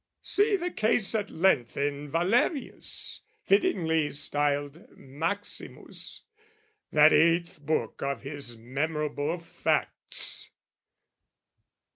See the case at length In Valerius, fittingly styled Maximus, That eighth book of his Memorable Facts.